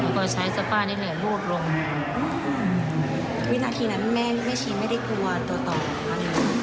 แล้วก็ใช้สภาพนี้เลยลูดลงอืมวินาทีนั้นแม่แม่ชีไม่ได้กลัวตัวต่อมา